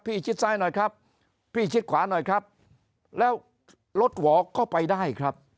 ชิดซ้ายหน่อยครับพี่ชิดขวาหน่อยครับแล้วรถหวอก็ไปได้ครับ